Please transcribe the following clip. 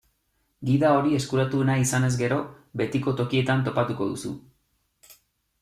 Gida hori eskuratu nahi izanez gero, betiko tokietan topatuko duzu.